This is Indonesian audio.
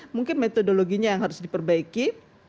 mungkin metodologinya yang harus diperbaiki